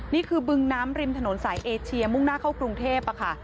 บึงน้ำริมถนนสายเอเชียมุ่งหน้าเข้ากรุงเทพค่ะ